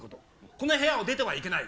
この部屋を出てはいけない。